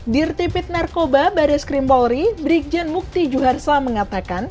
dirtipit narkoba baris krim polri brigjen mukti juharsa mengatakan